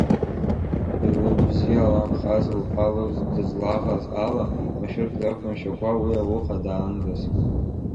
Илыдбзиаламхаз лԥа дызлаҟаз ала машәырк дақәымшәакәа уи ауха даандаз!